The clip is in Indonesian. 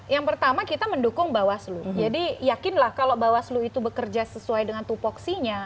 yang pertama kita mendukung bawaslu jadi yakinlah kalau bawaslu itu bekerja sesuai dengan tupoksinya